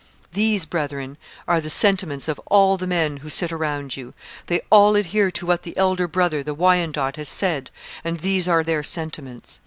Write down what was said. These, brethren, are the sentiments of all the men who sit around you: they all adhere to what the elder brother, the Wyandot, has said, and these are their sentiments.